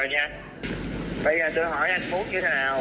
bây giờ tôi hỏi anh phúc như thế nào